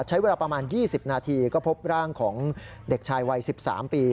ใช้เวลาประมาณ๒๐นาทีก็พบร่างของเด็กชายวัย๑๓ปี